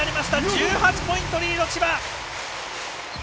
１８ポイントリード、千葉！